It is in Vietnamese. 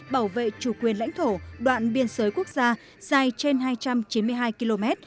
bảo vệ chủ quyền lãnh thổ đoạn biên giới quốc gia dài trên hai trăm chín mươi hai km